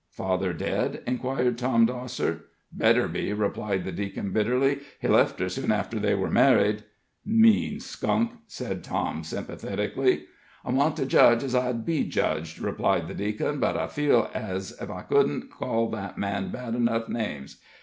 "Father dead?" inquired Tom Dosser. "Better be," replied the deacon, bitterly. "He left her soon after they were married." "Mean skunk!" said Tom, sympathetically. "I want to judge as I'd be judged," replied the deacon; "but I feel ez ef I couldn't call that man bad enough names.